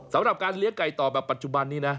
สำหรับการเลี้ยงไก่ต่อแบบปัจจุบันนี้นะ